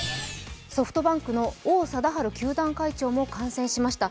ソフトバンクの王貞治球団会長も感染しました。